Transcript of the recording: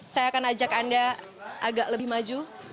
saya akan ajak anda agak lebih maju